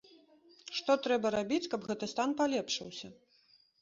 Што трэба рабіць, каб гэты стан палепшыўся?